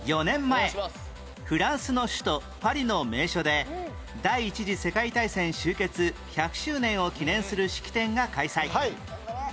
４年前フランスの首都パリの名所で第一次世界大戦終結１００周年を記念する式典が開催